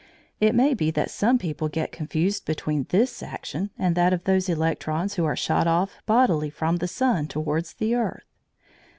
It may be that some people get confused between this action and that of those electrons who are shot off bodily from the sun towards the earth.